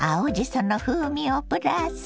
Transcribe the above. その風味をプラス！